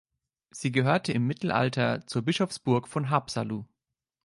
Sie gehörte im Mittelalter zur Bischofsburg von Haapsalu.